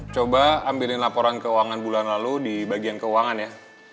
coba ambilin laporan keuangan bulan lalu di bagian keuangan ya